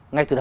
ngay từ đầu